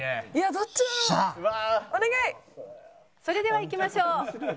それではいきましょう。